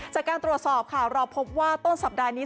จากการตรวจสอบค่ะเราพบว่าต้นสัปดาห์นี้